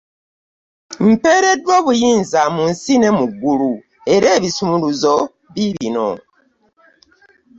Mpeereddwa obuyinza mu nsi ne mu ggulu era ebisumuluzo biibino.